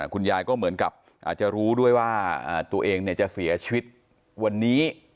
คุณยายก็เหมือนกับอาจจะรู้ด้วยว่าตัวเองจะเสียชีวิตวันนี้